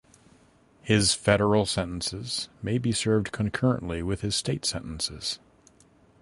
His federal sentences may be served concurrently with his state sentences.